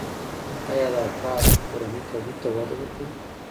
آیا دا کار کورني تولید ته وده ورکوي؟